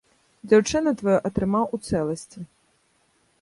Дзяўчыну тваю атрымаў у цэласці.